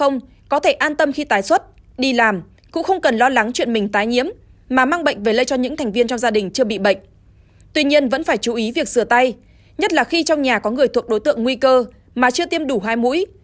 nhất là khi trong nhà có người thuộc đối tượng nguy cơ mà chưa tiêm đủ hai mũi